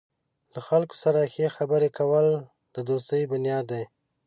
له خلکو سره ښې خبرې کول د دوستۍ بنیاد دی.